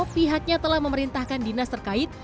pihaknya telah memerintahkan dinas terkait